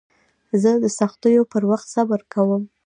زه د سختیو پر وخت صبر کوم.